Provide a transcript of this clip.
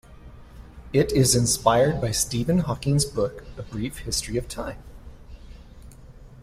It is inspired by Stephen Hawking's book "A Brief History of Time".